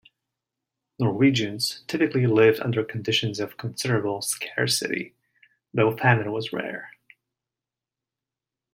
Norwegians typically lived under conditions of considerable scarcity, though famine was rare.